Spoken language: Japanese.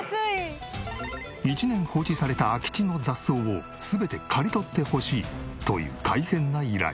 １年放置された空き地の雑草を全て刈り取ってほしいという大変な依頼。